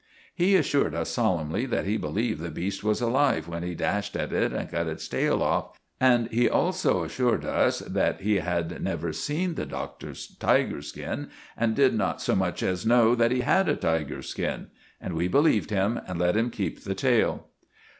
He assured us solemnly that he believed the beast was alive when he dashed at it and cut its tail off; and he also assured us that he had never seen the Doctor's tiger's skin, and did not so much as know that he had a tiger's skin. And we believed him, and let him keep the tail.